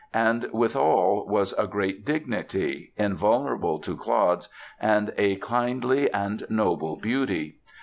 And with all was a great dignity, invulnerable to clods, and a kindly and noble beauty.